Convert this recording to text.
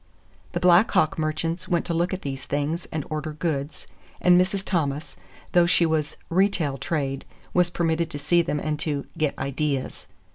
The Black Hawk merchants went to look at these things and order goods, and Mrs. Thomas, though she was "retail trade," was permitted to see them and to "get ideas."